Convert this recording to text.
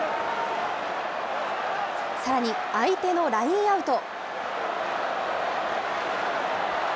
さらに相手のラインアウト。